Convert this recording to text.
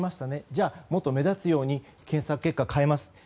じゃあもっと目立つように検索結果を変えますと。